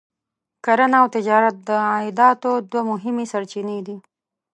کرنه او تجارت د عایداتو دوه مهمې سرچینې دي.